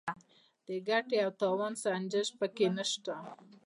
د ګټې او تاوان سنجش پکې نشته.